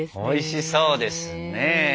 おいしそうですねえ。